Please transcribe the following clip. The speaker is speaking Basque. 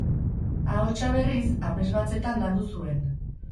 Ahotsa, berriz, abesbatzetan landu zuen.